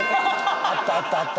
あったあったあった。